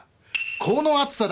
「この暑さだ